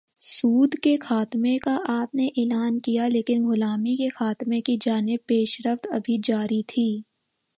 سود کے خاتمے کا آپ نے اعلان کیا لیکن غلامی کے خاتمے کی جانب پیش رفت ابھی جاری تھی۔